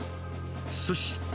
そして。